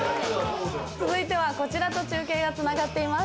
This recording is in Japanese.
続いてはこちらと中継がつながっています。